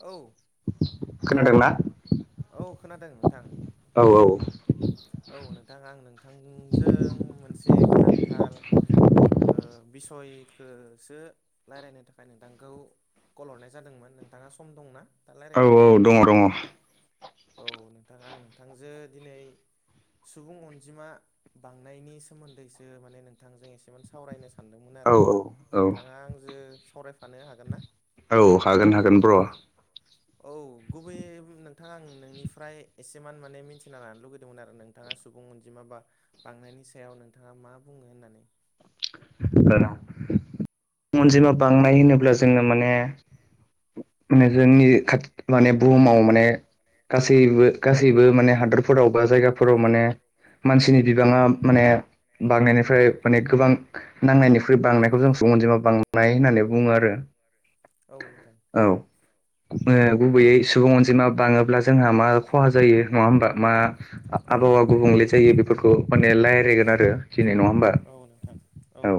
औ खोनादोंना? औ खोनादों नोंथां। औ औ। औ नोंथां आं नोंथांजों मोनसे गोनांथार ओ बिसयखोसो रायलायनो थाखाय नोंथांखौ कल हरनाय जादोंमोन नोंथाङा सम दंना? दा औ रायलायनो औ दङ दङ औ नोंथां आं नोंथांजों दिनै सुबुं अनजिमा बांनायनि सोमोन्दैसो माने नोंथांजों एसेमान सावरायनो सान सानदोंमोन औ आरो औ नोंथाङा आंजों सावरायफानो हागोन ना? औ हागोन हागोन ब्र'। औ गुबैयै नोंथाङा आं नोंनिफ्राय एसेमान माने मिथिना लानो लुगैदोंमोन आरो नों सुबुं अनजिमा बा बांनायनि सायाव नोंथाङा मा बुङो होननानै। [inaudible] अनजिमा बांनाय होनोब्ला जोङो माने माने जोंनि खाथि माने बुहुमाव माने गासैबो औ गासैबो माने नोंथां हादोर फोराव बा जायगाफोराव माने मानसिनि बिबाङा माने औ बांनायनिफ्राय नोंथां माने गोबां नांनायनिख्रुइ बांनायखौ जों अनजिमा बांनाय होननानै बुङो आरो। औ नोंथां। औ गुबैयै सुबुं अनजिमा बाङोब्ला जोंहा मा खहा जायो नङा होमबा मा औ आबहावा नोंथां गुबुंले जायो बेफोरखौ माने रायलायगोन आरो दिनै नङा होमबा उम औ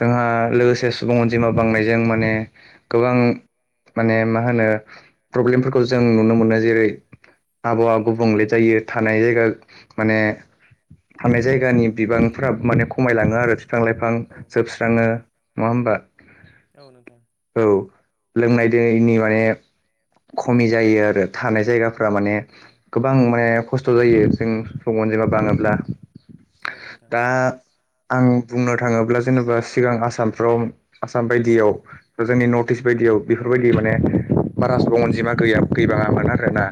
जोंहा लोगोसे सुबुं अनजिमा बांनायजों माने गोबां माने मा होनो प्रब्लेमफोरखौ जों नुनो मोनो जेरै आबहावा औ नोंथां गुबुंले जायो। थानाय जायगा माने थानाय जायगानि बिबांफ्रा माने खमायलाङो आरो बिफां लाइफां औ नोंथां जोबस्राङो नङा होमबा औ नोंथां औ लोंनाय दैनि माने औ खमि जायो आरो थानाय जायगा माने गोबां माने खस्थ' जायो जों सुबुं अनजिमा बाङोब्ला। दा आं बुंनो थाङोब्ला जेनेबा सिगां आसामफ्राव आसाम बायदियाव बा जोंनि नर्थ इस्ट बायदियाव बेफोरबायदि माने औ बारा सुबुं अनजिमा गैया गैबाङामोन आरोना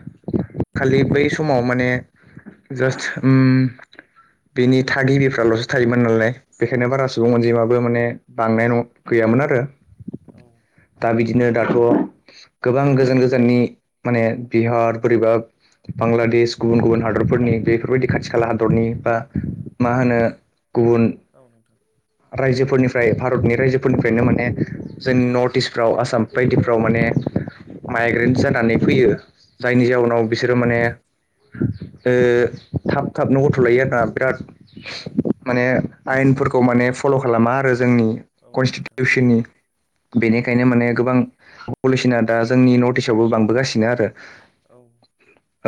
होनोब्ला औ खालि बै नोंथां नंगौ समाव माने जास्ट उम बेनि थागिबिफ्राल'सो थायोमोन नालाय बेखायनो बारा औ सुबुं नोंथां अनजिमाबो माने बांनाय गैयामोन आरो औ दा बिदिनो दाथ' गोबां गोजान गोजाननि माने बिहार बोरैबा बांलादेश गुबुन गुबुन हादरफोरनि बेफोरबायदि खाथि खाला हादरनि बा औ मा होनो गुबुन औ नोंथां रायजोफोरनिफ्राय भारतनि रायजोफोरनिफ्रायनो माने जोंनि नर्थ औ इस्टफ्राव आसाम बायदिफ्राव माने माइग्रेन्स जानानै फैयो जायनि औ जाउनाव बिसोरो माने ओ थाब थाबनो गथ' लायो आरोना बिराद औ माने आइेनफोरखौ माने फल' खालामा आरो जोंनि औ नोंथां कनस्टिटिउसननि बेनिखायनो औ माने गोबां पपलेसना दा जोंनि नर्थ इस्टआवबो बांबोगासिनो आरो। औ।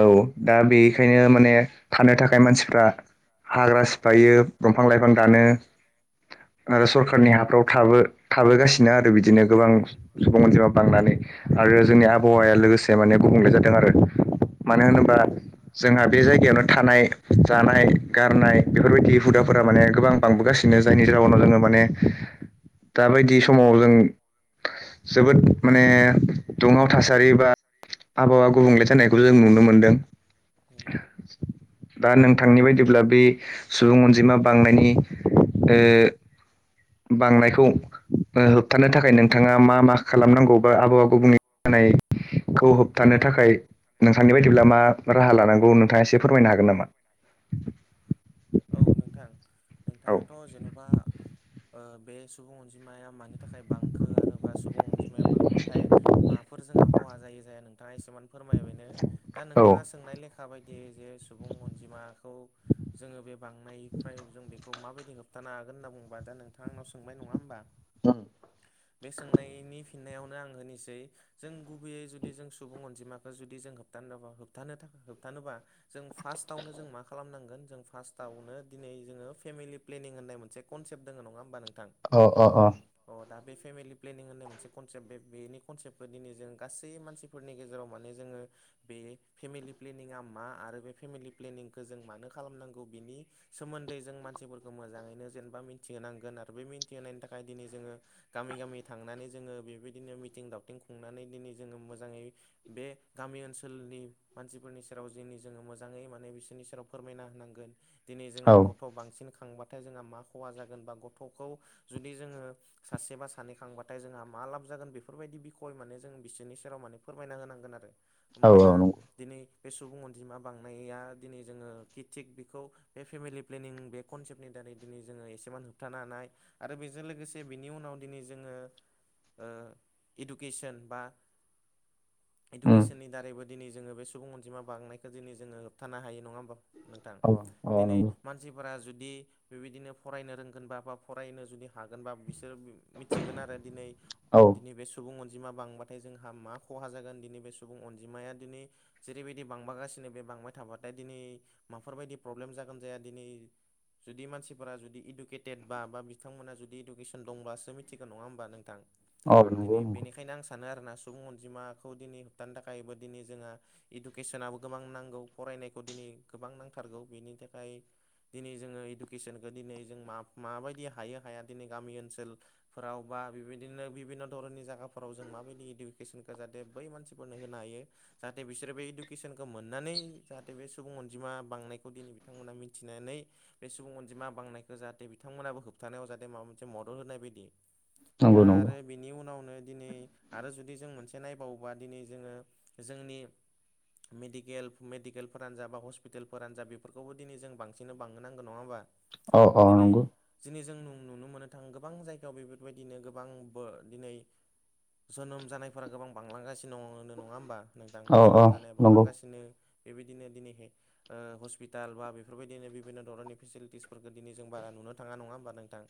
औ दा बेखायनो माने थानो थाखाय मानसिफ्रा हाग्रा सि फायो दंफां लाइफां औ गानो। आरो सरखारनि हाफ्राव थाबो थाबोगासिनो आरो बिदिनो। गोबां सुबुं अनजिमा बांनानै आरो जोंनि आबहावाया लोगोसे माने गुबुंले जादों आरो मानो होनोबा जोंहा बे जायगायावनो थानाय जानाय गारनाय बेफोरबायदि हुदाफोरा माने गोबां औ बांबोगासिनो नि जाउनाव जोङो माने दाबायदि समाव जों जोबोद माने दुंह व थासारि बा आबहावा गुबुंले जानायखौ जों नुनो मोनदों। दा नोंथांनि बायदिब्ला बे सुबुं अनजिमा बांनायनि ओ बांनायखौ ओ होबथानो थाखाय नोंथाङा मा मा खालामनांगौ बा आबहावा गुबुंले जानायखौ होबथानो थाखाय नोंथांनि बायदिब्ला मा राहा लानांगौ नोंथाङा एसे फोरमायनो हागोन नामा? औ नोंथां। औ नोंथाङाथ' जेन'बा ओ बे सुबुं अनजिमाया मानि थाखाय बांखो आरोबा सुबुं अनजिमाया बांबाथाय माफोर जोंहा खहा जायो जाया नोंथाङा एसे मा फोरमायबायनो दा औ नोंथाङा सोंनाय लेखा बायदियै जे सुबुं अनजिमाखौ जोङो बे बांनायनिफ्राय जों बेखौ माबायदि होबथानो हागोन होनना बुंबा, दा नोंथांनाव सोंबाय नोङा होमबा? बे सोंनायनि फि फिननायावनो आं होनोसै जों गुबैयै जुदि जों सुबुं अनजिमाखौ जुदि जों होब्थानोबा होब थानो थाखा होबथानोबा जों फार्स्टआवनो जों मा खालामनांगोन जों फार्स्टआवनो दिनै जोङो फेमिलि प्लेनिं होननाय मोसे कनसेपट दङ, नङा होमबा नोंथां? अ अ अ। अ दा बे फेमिलि प्लेनिं होननाय मोनसे कनसेप्ट बे बेनि कनसेप्टफोर दिनै जों गासै मानसि फोरनि गेजेराव माने जोङो बे फेमिलि प्लेनिंआ मा आरो बे फेमिलि प्लेनिंखौ जों मानो खालामनांगौ बिनि सोमोन्दै जों मानसिफोरखौ मोजाङैनो जेनेबा मिथिहोनांगोन आरो बे मिन्थिहोनायनि थाखाय दिनै जोङो गामि गामि थांनानै जोङो बेबायदिनो मिथिं दावथिं खुंनानै दिनै जोङो मोजाङै बे गामि ओनसोलनि मानसिफोरनि सेराव दिनै जोङो मोजाङै माने बिसोरनि सेराव फोरमायना होनांगोन। दिनै जोङो अ औ ग' थ' बांसिन खांबाथाय जोंहा मा खहा जागोन बा गथ'खौ जुदि जोङो सासे बा सानै खांबाथाय जोंहा मा लाब जागोन बेफोरबायदि बिखय माने जों बिसोरनि सेराव माने फोरमायना होनांगोन आरो। औ होमबाना औ नंगौ दिनै बे सुबुं अनजिमा बांनाया दिनै जोङो खिथिक बेखौ बे फेमिलि प्लेनिं बे कनसेप्टनि दारै दिनै जोङो एसेबान होबथानो हानाय आरो बेजों लोगोसे बिनि उनाव दिनै जोङो ओ इडुकेसन बा उम इडुकेसननि दारैबो दिनै जोङो बे सुबुं अनजिमा बांनायखौ दिनै जोङो होबथानो हायो नङा होमबा? नोंथां औ औ दिनै नंगौ मानसिफोरा जुदि बेबायदिनो फरायनो रोंगोनबा बा फरायनो जुदि हागोनबा बिसोर बि मिथिगोन आरो दिनैै औ दिनै बे सुबुं अनजिमा बांबाथाय जोंहा मा खहा जागोन दिनै बे सुबुं अनजिमाया दिनै जेरैबायदि बांबोगासिनो बे बांबाय थाबाथाय दिनै माफोरबायदि प्रब्लेम जागोन जाया दिनै जुदि मानसिफोरा जुदि इदुकेटेड बा, बा बिथांमोना जुदि इडुकेसन दंब्लासो मिथिगोन नङा होमबा नोंथां? दिनै नंगौ बेनिखायनो आं सानो आरोोना सुबुं अनजिमाखौ दिनै होबथानो थाखायबो दिनै जोंहा इडुकेसनाबो गोबां नांगौ फरायनायखौ दिनै गोबां नांथारगौ बेनि थाखाय दिनै जोङो इडुकेसनखो दिनै जों माबायदि हायो हाया दिनै गामि ओनसोल फोराव बा बेबायदिनो बिभिन्न' धरननि जायाफोराव जों माबायदि इडुकेसनखौ जाथे बै मानसिफोरनो होनो हायो। जाहाथे बिसोरो बै इडुकेसनखौ मोननानै जाहाथे बे सुबुं अनजिमा बांनायखौ दिनै बिथांमोना मिथिनानै बे सुबुं अनजिमा बांनायखौ जाहाथे बिथांमोनाबो होबथानायाव जाहाथे माबा मोनसे मदद होनाय बायदि। दा आरो बिनि उनावनो दिनै आरो जुदि जों मोनसे नायबावोबा दिनै जोङो जोंनि डिकेल मेडिकेलफोरानो जा बा हस्पिटालफोरानो जा बेफोरखौबो दिनै जों बांसिनै बांह नांगौ नङाबा औ औ दिनै नंगौ दिनै जों नुनो मोनो थाङ गोबां जायगायाव बेफोरबायदिनो गोबां दिनै जोनोम जानायफोरा गोबां बांलांगासिनो दङ होनो नङा होमबा नोंदां औ जोनोम जानाया नंगौ बांलांगासिनो बेबायदिनो दिनैहाय हे हस्पिटाल बा बेफोरबायदिनो बिभिन्न धरननि फेसिलिटिसफोरखौ दिन जों बा नुनो थाङा नङा होमबा नों- थां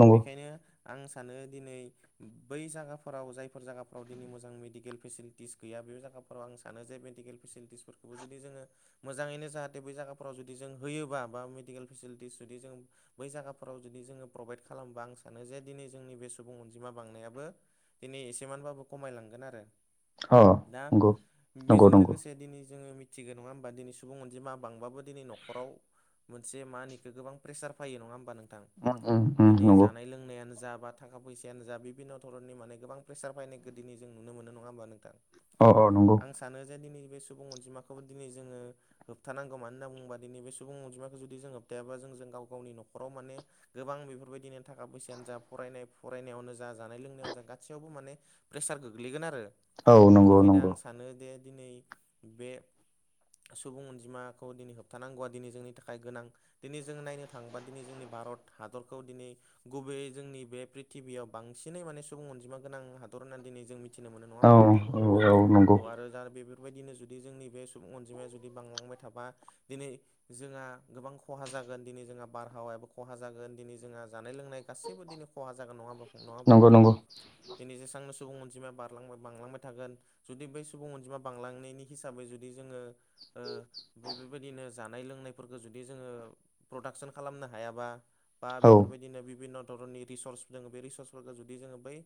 नंगौ बेखायनो आं सानो दिनै बै जायगाफोराव जायफोर जायगाफोराव दिनै मोजां मेडिकेल फेसिलिटिस गैया बे जायगा फोराव आं सानो जे मेडिकेल फेसिलिटिसफोरखौबो जुदि जोङो मोजाङैनो जाहाथे बे जायाफ्राव जुदि जों होयोबा बा मेडिकेल फेसिलिटिस जुदि जों बै जायगाफोराव जुदि जोङो प्रभाइद खालामबा आं सानो जे दिनै जोंनि बे सुबुं अनजिमा बांनायाबो दिनै एसेमानबाबो खमायलांगोन आरो। औ दा नंगौ। नंगौ बेजों नंगौ लोगोसे दिनै जोङो मिथिगौ नङा होमबा दिनै सुबुं अनजिमा बांबाबो दिनै न'खराव मोनसे मा होनोखौ गोबां प्रेसार फैयो नङा होमबा नोंथां उम उम दिनै नंगौ जानाय लोंनायानो जा थाखा फैसायानो जा बिभिन्न' धरननिाने गोबां प्रेसार फैनाय गोदिनि जों नुनो मोनो नङा होमबा नोंथां? अ अ नंगौ। आं सानो जे दिनै बे सुबुं अनजिमाखौ दिनै जोङो होबथानांगौ मानो होनना बुङोबा दिनै बे सुबुं अनिमाखौ जुदि जों होब्थायाबा जों जों गाव गावनि नखराव माने गोबां बेफोरबायदिनो थाखा फैसायानो जा फरायनाय फरायनायावनो जा जानाय लोंनायावनो जा गासैयावबो माने प्रेसार गोग्लैगोन आरो औ नंगौ बेनिखायनो नंगौ आं सानो जे दिनै बे सुबुं अनजिमाखौ दिनै होबथानांगौआ दिनै जोंनि थाखाय गोनां। दिनै जों नायनो थाङोबा दिनै जोंनि भारत हादरखौ दिनै गुबै जोंनि बे प्रिथिबियाव बांसिनै माने सुबुं अनजिमा गोनां हादर होननानै दिनै जों मि औ औ औ। औ नंगौ आरो दा बेफोरबायदिनो जुदि जोंनि बे सुबुं अनजिमाया जुदि बांलांबाय थाबा दिनै जोंहा गोबां खहा जागोन दिनै जोंहा बारहावायाबो खहा जागोन दिनै जोंहा जानाय लोंनाय गासैबो दिनै खहा जागोन नंङा होमबा फं नंङा होमबा नंगौ नोंथां? नंगौ दिनै जेसेबांनो सुबुं अनजिमाया बारलांबाय बांलांबाय थागोन जुदि बै सुबुं अनजिमा बांलांनायनि हिसाबै जुदि जोङो ओ बेफोरबायदिनो जानाय लोंनायफोरखौ जुदि जोङो प्रदाकसन खालामनो हायाबा बा औ बेफोरबायदिनो बिभिन्न' धरननि रिसर्स जोङो बे रिसर्सफोरखौ जुदि जोङो बै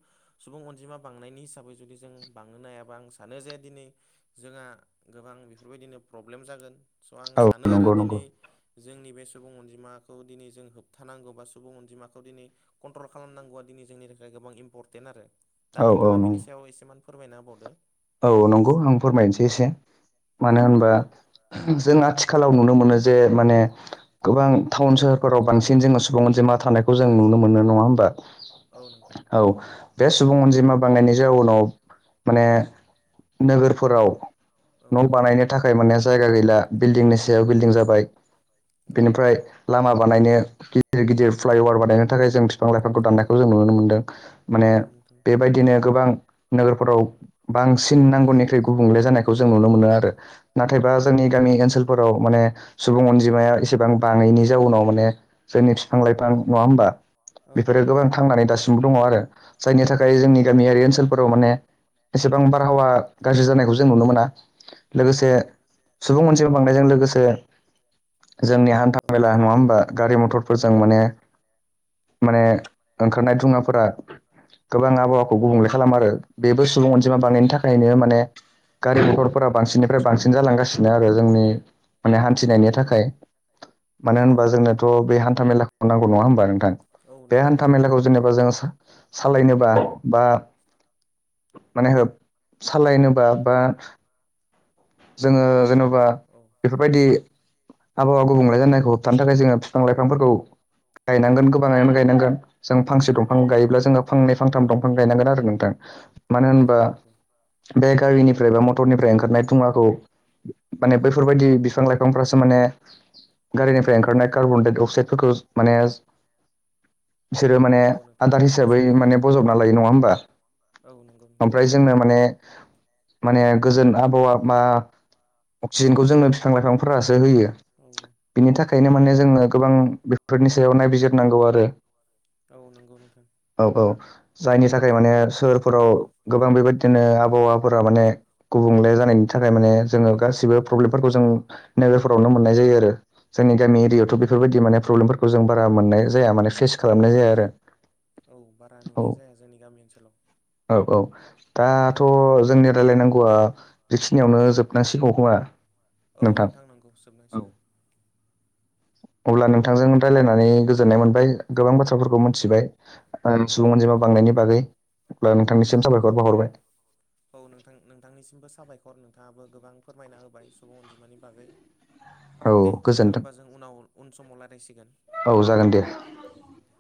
सुबुं अनजिमा बांनायनि हिसाबै जुदि जों बांनो नाया आं सानो जे दिनै जोंहा गोबां बेफोरबायदिनो प्रब्लेम जागोन। स' आं औ सानो आरो नंगौ नंगौ दिनै जोंनि बे सुबुं अनजिमाखौ दिनै जों होबथानांगौ बा सुबुं अनजिमाखौ दिनै कन्ट्रल खालामनांगौआ दिनै जोंनि थाखाय गोबां इम्परटेन्ट आरो। दा औ औ नोंथाङा नंगौ बिनि सायाव एसेमान फोरमायनाबावदो। औ नंगौ आं फोरमायनोसै एसे मानो औ होनबा नोंथां। जों आथिखालाव नुनो मोनो जे माने गोबां टाउन सोहोरफोराव बांसिन जोङो सुबुं मोन जे मा थानायखौ जों नुनो मोनो नङा होमबा? औ नोंथां औ बे सुबुं अनजिमा बांनायनि जाउनाव माने नोगोरफोराव औ। न' बानायनो थाखाय माने जायगा गैला बिल्डिंनि फिसायाव औ बिल्डिं जाबाय औ। बिनिफ्राय लामा बानायनो गिदिर गिदिर फ्लाइअभार बानायनो थाखाय जों बिफां लाइफांखौ औ दाननायखौ जों नुनो मोनदों माने औ नोंथां। बेबायदिनो गोबां नोगोरफोराव बांसिन नांगौनिख्रुइ गुबुंले जानायखौ औ। जों नुनो मोनो आरो नाथायबा जोंनि औ गामि ओनसोल फोराव माने सुबुं अनजिमाया एसेबां बाङैनि जाउनाव माने जोंनि फिफां लाइफां नङा होमबा? औ बेफोरो गोबां थांनानै दासिमबो दङ आरो जायनि थाखाय औ जोंनि नोंथां। गामियारि ओनसोलफोराव माने एसेबां बारहावा गाज्रि जानायखौ जों नुनो मोना लोगोसे औ। सुबुं अनजिमा बांनायजों लोगोसे जोंनि हान्था औ मेला नोंथां नङा होमबा गारि औ मथरफोरजों माने माने ओंखारनाय दुंङाफोरा गोबां आबहावाखौ औ गुबुंले खालामो आरो नोंथां बेबो सुबुं अनजिमा औ बांनायनि थाखायनो माने गारि मथरफोरा बांसिननिफ्राय बांसिन जालांगासिनो आरो जोंनि माने औ हान्थिनायनि थाखाय मानो औ होनबा जोंनोथ' बे हान्था मेलाखौ नांगौ नङा होनबा? औ बे नांगौ हान्था नोंथां मेलाखौ नांगौ जेनेबा जों सालायनोबा बा माने हो सालायनोबा बा जोङो जेन'बा औ बेफोरबायदि आबहावा गुबुंले जानायखौ होबथानो थाखाय जोङो फिफां लाइफांफोरखौ औ गायनांगोन गोबाङैनो गायनांगोन जों फांसे औ दंफां नोंथां नंगौ गायोब्ला जोङो फांनै फांथां दंफां गायनांगोन आरो नोंथां मानो औ होनबा नंगौ बे गारिनिफ्राय बा मटरनिफ्राय ओंखारनाय थुङाखौ माने बैफोरबायदि बिफां लाइफांफ्रासो माने औ गारिनिफ्राय ओंखारनाय कार्बन डाइ अक्साइदफोरखौ माने बिसोरो माने औ नोंथां आदार हिसाबै बजबना माने लायो बजब ना लायो नङा होनबा औ नंगौ नोंथां ओमफ्राय जोंना माने माने गोजोन आबहावा मा अक्सिजेनखौ जोंनो फिफां लाइफांफोरासो होयो। औ बिनि थाखायनो माने जोङो गोबां बेफोरनि सायाव नायबिजिरनांगौ आरो औ नोंगौ नोंथां। औ औ जायनि थाखाय माने सोहोरफोराव गोबां बेबायदिनो आबहावाफोरा माने गुबुंले जानाय औ थाखाय माने जोङो गासिबो प्रब्लेमफोरखौ जों नोगोरफोरावनो मोननाय जायो आरो जोंनि औ गामि नंगौ एरियायावथ' नोंथां बेफोरबायदि माने प्रब्लेमफोरखौ जों बारा मोननाय जाया माने फेस खालामनाय जाया आरो। औ बारा औ नुनाय जाया जोंनि गामि ओनसोलाव औ औ दा औ थ' जोंनि रायलायनांगौआ बेखिनियावनो जोबनांसिगौ खोमा? औ नोंथां नंगौ जोबनांसिगौ। अब्ला नोंथांजों रायज्लायनानै गोजोननाय मोनबाय गोबां बाथ्राफोरखौ मोनथिबाय औ सुबुं अनजिमा नोंथां बांनायनि बागै अब्ला औ नोंथांनिसिम साबायखर नोंथां बावहरबाय [unintelligible] औ नोंथां नोंथांनिसिमबो साबायखर नोंथाङाबो गोबां फोरमायना होबाय सुबुं अनजिमानि बागै औ दे नोंथां गोजोन्थों होनबा जों उनाव उन समाव रायलायसिगोन। औ जागोन दे। दे